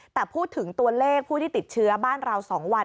แต่พูดถึงตัวเลขผู้ที่ติดเชื้อบ้านเรา๒วัน